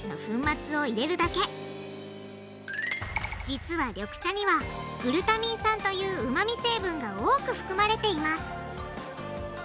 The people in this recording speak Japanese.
実は緑茶にはグルタミン酸といううまみ成分が多く含まれています。